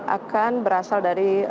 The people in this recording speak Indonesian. akan berasal dari sumber air minum